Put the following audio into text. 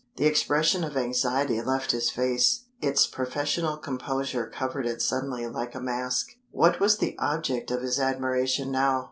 The expression of anxiety left his face; its professional composure covered it suddenly like a mask. What was the object of his admiration now?